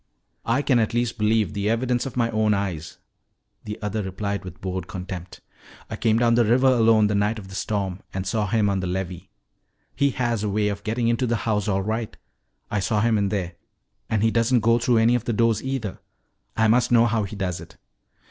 "I can at least believe the evidence of my own eyes," the other replied with bored contempt. "I came down river alone the night of the storm and saw him on the levee. He has a way of getting into the house all right. I saw him in there. And he doesn't go through any of the doors, either. I must know how he does it."